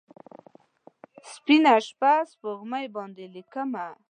سپینه شپه، سپوږمۍ باندې لیکمه